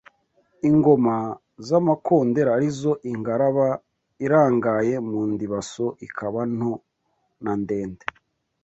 Ingoma z’amakondera arizo Ingaraba irangaye mu ndibaso ikaba nto na ndende